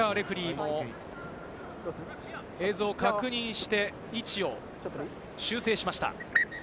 今、滑川レフェリーも映像を確認して位置を修正しました。